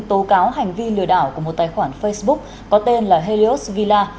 tố cáo hành vi lừa đảo của một tài khoản facebook có tên là helios villa